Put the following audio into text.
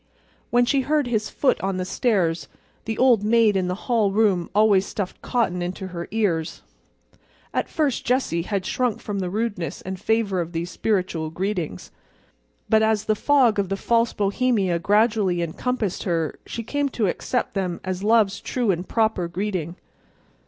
When she heard his foot on the stairs the old maid in the hall room always stuffed cotton into her ears. At first Jessie had shrunk from the rudeness and favor of these spiritual greetings, but as the fog of the false Bohemia gradually encompassed her she came to accept them as love's true and proper greeting.